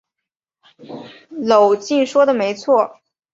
娄敬说的没错。